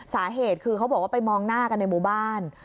สาเหตุคือเขาบอกว่าไปมองหน้ากันในหมู่บ้าน